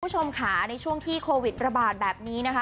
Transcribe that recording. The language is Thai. คุณผู้ชมค่ะในช่วงที่โควิดระบาดแบบนี้นะคะ